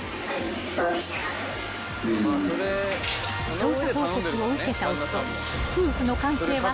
［調査報告を受けた夫］